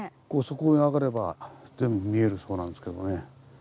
そこに上がれば全部見えるそうなんですけどね。